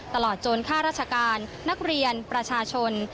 ตลอดจนข้าราชการนักเรียนประชาชน